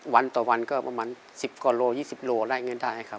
วันต่อวันก็ประมาณ๑๐กว่าโล๒๐โลได้